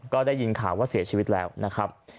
ก็ได้ยินข่าวว่าเสียชีวิตแล้วนะครับ